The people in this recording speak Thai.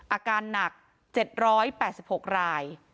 อาการหนัก๗๘๖ราย